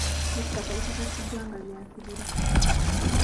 Ettaka likakasiddwa nga lya kibira.